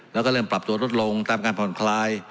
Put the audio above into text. แล้วก็เริ่มปรับตัวลดลงตามการผ่อนคลาย